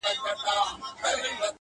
سونډان مي وسوځېدل!!